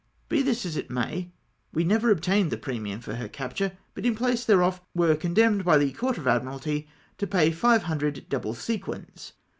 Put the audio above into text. Be this as it may, we never ob tained the premium for her capture, but in place thereof were condemned hy the Court of Admiralty to ixiy five Jaindred double sequins